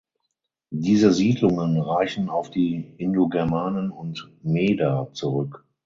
Diese Siedlungen reichen auf die Indogermanen und Meder zurück.